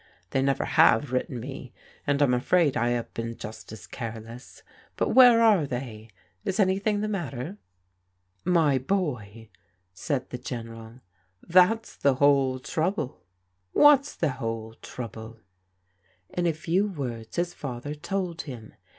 They never have written me, and I'm afraid I have been just as careless. But where are they? Is anything the matter? " "My boy," said the General, "that's the whole trouble.'^ n TREV'S ENGAGEMENT 269 "What's the whole trouble?" In a few words, his father told him.